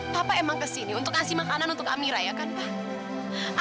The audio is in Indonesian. bapak emang kesini untuk ngasih makanan untuk amira ya kan pak